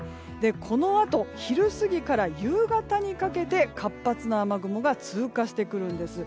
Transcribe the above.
このあと昼過ぎから夕方にかけて活発な雨雲が通過してくるんです。